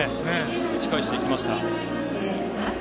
打ち返していきました。